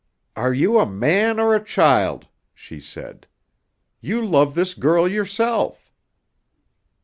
"Are you a man or a child?" she said. "You love this girl yourself!"